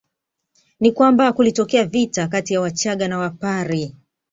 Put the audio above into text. Ni kwamba kulitokea vita kati ya Wachaga na Wapare